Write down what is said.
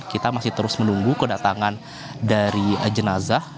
kita masih terus menunggu kedatangan dari jenazah